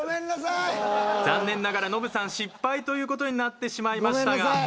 残念ながらノブさん失敗という事になってしまいましたが。